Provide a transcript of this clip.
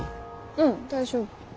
うん大丈夫。